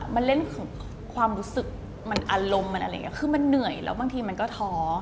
มันเล่นของความรู้สึกมันอารมณ์มันอะไรอย่างนี้คือมันเหนื่อยแล้วบางทีมันก็ท้อ